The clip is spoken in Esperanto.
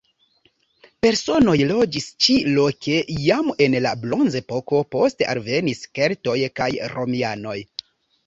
Personoj loĝis ĉi-loke jam en la bronzepoko; poste alvenis keltoj kaj romianoj.